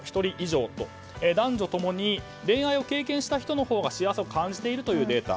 男女共に恋愛を経験した人のほうが幸せを感じているというデータ。